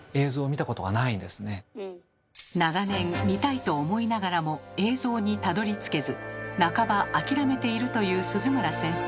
長年見たいと思いながらも映像にたどりつけず半ばあきらめているという鈴村先生。